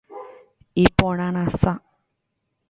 Iporãrasa.